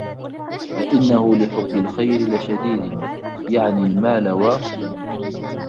وَإِنَّهُ لِحُبِّ الْخَيْرِ لَشَدِيدٍ يَعْنِي الْمَالَ وَ